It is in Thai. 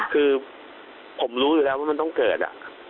คือผมรู้อยู่แล้วว่ามันต้องเกิด